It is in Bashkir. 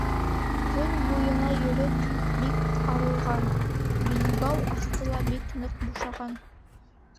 Көн буйына йөрөп бик арылған; билбау аҫты ла бик ныҡ бушаған.